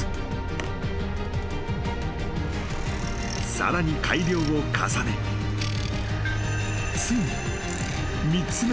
［さらに改良を重ねついに］